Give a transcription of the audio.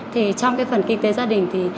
trong cái phần kinh tế gia đình thì